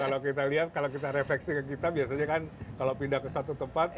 kalau kita lihat kalau kita refleksi ke kita biasanya kan kalau pindah ke satu tempat